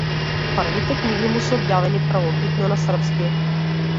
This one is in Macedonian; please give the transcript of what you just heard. Првите книги му се објавени првобитно на српски.